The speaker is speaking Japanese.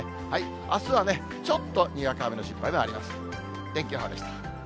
あすはね、ちょっとにわか雨の心配があります。